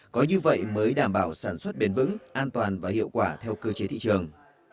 có như vậy mới đảm bảo sản xuất bền vững an toàn và hiệu quả theo cơ chế thị trường